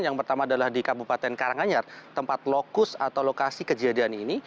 yang pertama adalah di kabupaten karanganyar tempat lokus atau lokasi kejadian ini